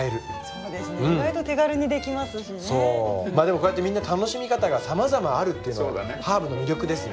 こうやってみんな楽しみ方がさまざまあるっていうのがハーブの魅力ですね。